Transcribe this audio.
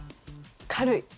軽い。